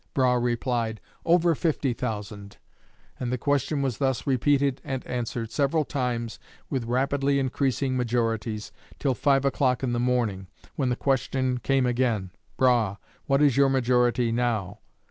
Brough replied, "Over 50,000." And the question was thus repeated and answered several times, with rapidly increasing majorities, till five o'clock in the morning, when the question came again, "Brough, what is your majority now?"